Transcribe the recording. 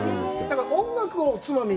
だから音楽をおつまみに。